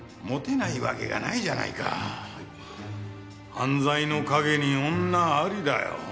「犯罪の陰に女あり」だよ。